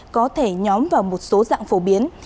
có thể nhóm vào một số dạng phổ biến